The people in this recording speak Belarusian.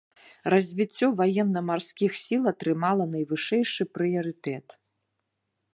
Развіццё ваенна-марскіх сіл атрымала найвышэйшы прыярытэт.